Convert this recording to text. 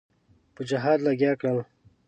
په جهاد لګیا کړل.